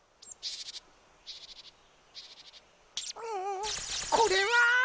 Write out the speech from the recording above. うんこれは。